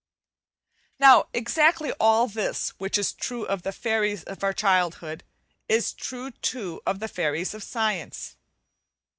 Now, exactly all this which is true of the fairies of our childhood is true too of the fairies of science.